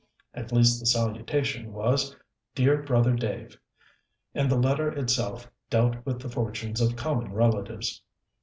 At least the salutation was "Dear Brother Dave," and the letter itself dealt with the fortunes of common relatives.